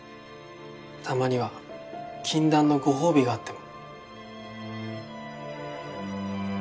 たまには禁断のご褒美があっても。